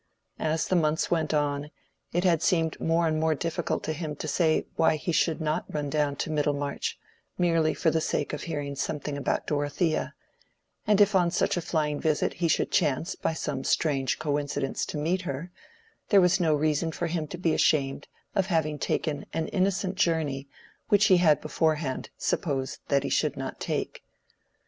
As the months went on, it had seemed more and more difficult to him to say why he should not run down to Middlemarch—merely for the sake of hearing something about Dorothea; and if on such a flying visit he should chance by some strange coincidence to meet with her, there was no reason for him to be ashamed of having taken an innocent journey which he had beforehand supposed that he should not take.